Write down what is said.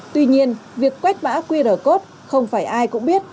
tuy nhiên việc quét mã qr code không phải ai cũng biết